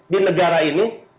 di negara ini